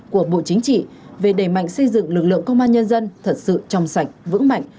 của bộ chính trị về đẩy mạnh xây dựng lực lượng công an nhân dân thật sự trong sạch vững mạnh